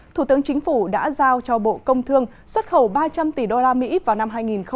thủ tướng chính phủ đã giao cho bộ công thương xuất khẩu ba trăm linh tỷ usd vào năm hai nghìn hai mươi